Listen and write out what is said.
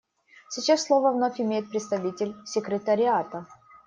Сейчас слово вновь имеет представитель Секретариата.